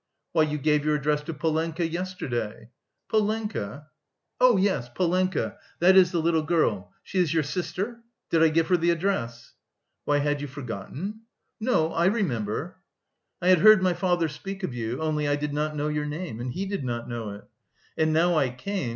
"Why, you gave your address to Polenka yesterday." "Polenka? Oh, yes; Polenka, that is the little girl. She is your sister? Did I give her the address?" "Why, had you forgotten?" "No, I remember." "I had heard my father speak of you... only I did not know your name, and he did not know it. And now I came...